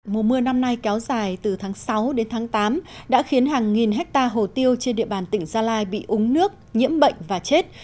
mùa mưa năm nay kéo dài từ tháng sáu đến tháng tám đã khiến hàng nghìn hectare hồ tiêu trên địa bàn tỉnh gia lai bị úng nước nhiễm bệnh và chết